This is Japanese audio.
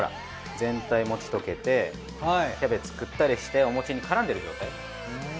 全体餅溶けてキャベツくったりしてお餅にからんでる状態。